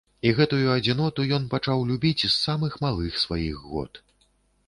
І гэтую адзіноту ён пачаў любіць з самых малых сваіх год.